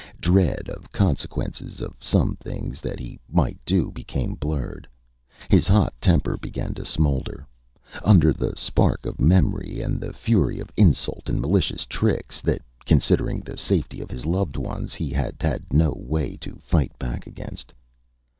Dread of consequences of some things that he might do, became blurred. His hot temper began to smolder, under the spark of memory and the fury of insult and malicious tricks, that, considering the safety of his loved ones, he had had no way to fight back against.